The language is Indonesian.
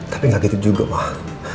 tapi nggak gitu juga mah